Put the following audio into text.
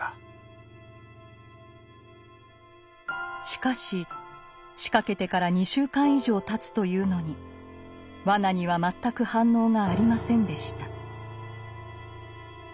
しかし仕掛けてから２週間以上たつというのに罠には全く反応がありませんでした。